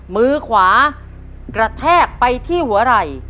มือขวากระแทกไปที่หัวไหล่